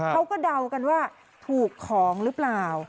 เดากันว่าถูกของหรือเปล่า